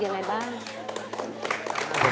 ร้องได้ให้ร้อง